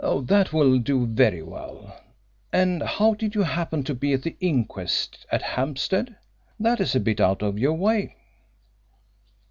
"That will do very well. And how did you happen to be at the inquest at Hampstead? That is a bit out of your way."